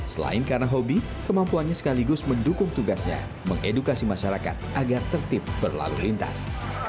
selain karena hobi kemampuannya sekaligus mendukung tugasnya mengedukasi masyarakat agar tertib berlalu lintas